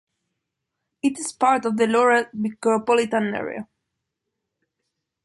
It is part of the Laurel micropolitan area.